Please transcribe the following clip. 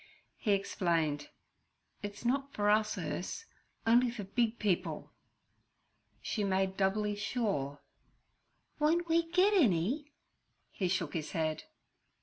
He explained, 'It's not for us, Urse—on'y for big people.' She made doubly sure. 'Won't we get any?' He shook his head.